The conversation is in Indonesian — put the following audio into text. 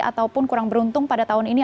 ataupun kurang beruntung pada tahun ini